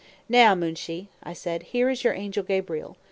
"Now, Moonshee," said I, "here is your Angel Gabriel.